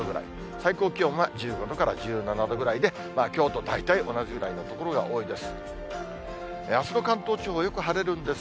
最高気温が１５度から１７度ぐらいで、きょうと大体同じぐらいの所が多いです。